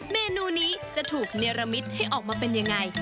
เมนูนี้จะถูกเนรมิตให้ออกมาเป็นยังไง